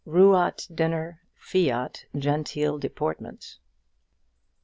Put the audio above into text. Ruat dinner, fiat genteel deportment.